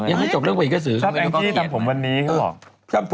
ยังให้จบเรื่องไว้ก็สืบชัดแอนกที่ทำผมวันนี้เขาหรอก